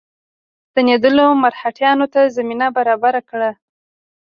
ستنېدلو مرهټیانو ته زمینه برابره کړه.